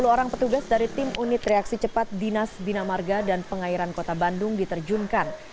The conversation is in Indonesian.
sepuluh orang petugas dari tim unit reaksi cepat dinas bina marga dan pengairan kota bandung diterjunkan